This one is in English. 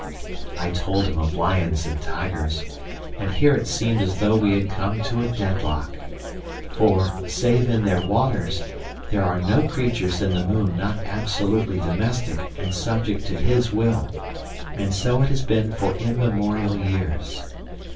I told him of lions and tigers, and here it seemed as though we had come to a deadlock. For, save in their waters, there are no creatures in the moon not absolutely domestic and subject to his will, and so it has been for immemorial years.